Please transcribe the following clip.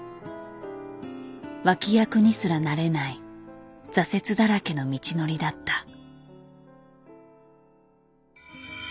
脇役にすらなれない挫折だらけの道のりだった。